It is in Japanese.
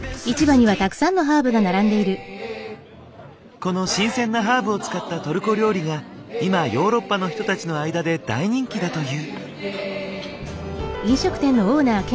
この新鮮なハーブを使ったトルコ料理が今ヨーロッパの人たちの間で大人気だという。